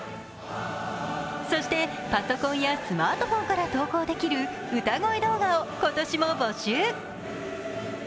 そしてパソコンやスマートフォンから投稿できる歌声動画を今年も募集。